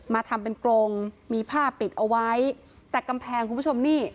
ทำเป็นกรงมีผ้าปิดเอาไว้แต่กำแพงคุณผู้ชมนี่